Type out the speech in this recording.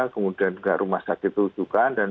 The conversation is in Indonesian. kemudian juga rumah sakit utukan